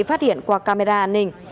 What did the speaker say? phát hiện qua camera an ninh